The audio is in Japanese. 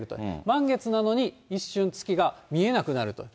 満月なのに、一瞬、月が見えなくなると。